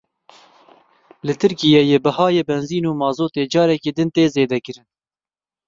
Li Tirkiyeyê bihayê benzîn û mazotê careke din tê zêdekirin.